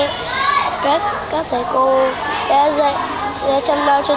đã dạy đã chăm đo cho chúng tôi từng bữa ăn rất nhiều